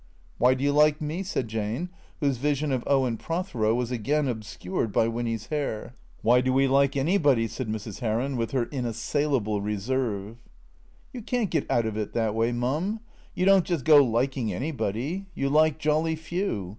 " Why do you like me ?" said Jane, whose vision of Owen Prothero was again obscured by Winny's hair. " Why do we like anybody ?" said Mrs. Heron, with her inassailable reserve. "You can't get out of it that way, Mum. You don't just go liking anybody. You like jolly few.